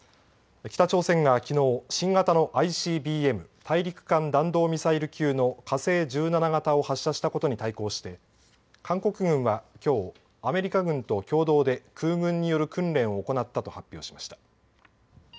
北朝鮮がきのう新型のＩＣＢＭ＝大陸間弾道ミサイル級の火星１７型を発射したことに対抗して韓国軍はきょうアメリカ軍と共同で空軍による訓練を行ったと発表しました。